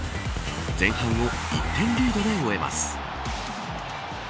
前半を１点リードで終えます。